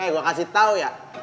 gue kasih tau ya